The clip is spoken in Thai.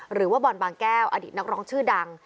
หรือว่าบอลบางแก้วอดีตนักร้องชื่อดัง